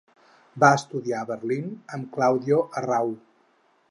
Va estudiar a Berlín amb Claudio Arrau.